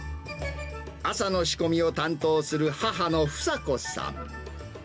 朝の仕込みを担当する母の房子さん。